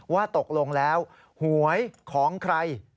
ว่าตกลงแล้วหวยของใคร